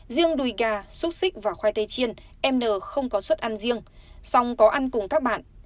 riêng đùi gà xúc xích và khoai tây chiên n không có suất ăn riêng xong có ăn cùng các bạn